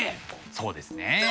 そうですね。